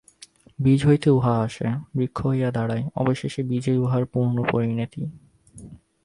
বীজ হইতে উহা আসে, বৃক্ষ হইয়া দাঁড়ায়, অবশেষে বীজেই উহার পুনঃপরিণতি।